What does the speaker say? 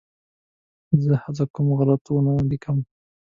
زه هڅه کوم غلط ونه ولیکم.